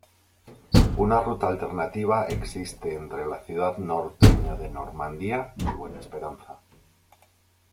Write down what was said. Una ruta alternativa existe entre la ciudad norteña de Normandia y Buena Esperanza.